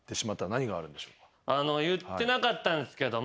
言ってなかったんですけど。